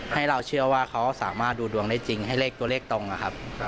ให้เราเชื่อว่าเขาสามารถดูดวงได้จริงให้เลขตัวเลขตรงนะครับ